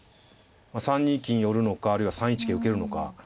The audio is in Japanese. ３二金寄るのかあるいは３一桂受けるのか。